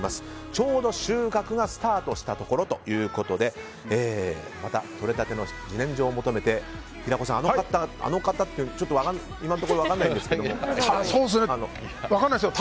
ちょうど収穫がスタートしたところということでまた、とれたての自然薯を求めて平子さん、あの方ってちょっと今のところ分からないんですが。